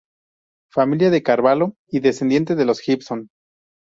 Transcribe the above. Familia de Carvallo y descendiente de los Gibson.